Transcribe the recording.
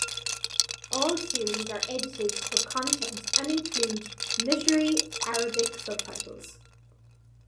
All series are edited for content and include Literary Arabic subtitles.